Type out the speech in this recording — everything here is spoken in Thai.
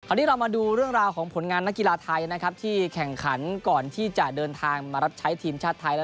อันนี้เรามาดูเรื่องราวของผลงานนักกีฬาไทยนะครับที่แข่งขันก่อนที่จะเดินทางมารับใช้ทีมชาติไทยแล้ว